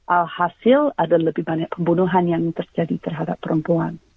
alhasil ada lebih banyak pembunuhan yang terjadi terhadap perempuan